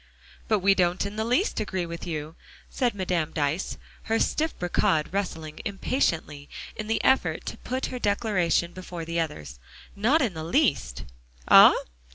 "But we don't in the least agree with you," said Madame Dyce, her stiff brocade rustling impatiently in the effort to put her declaration before the others, "not in the least." "Ah?